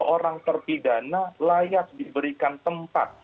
orang terpidana layak diberikan tempat